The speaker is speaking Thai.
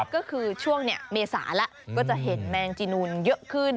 ก็คือช่วงเมษาแล้วก็จะเห็นแมงจีนูนเยอะขึ้น